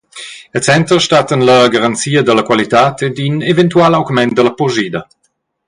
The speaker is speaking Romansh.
El center stattan la garanzia dalla qualitad ed in eventual augment dalla purschida.